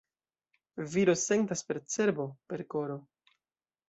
Viro sentas per cerbo, per koro.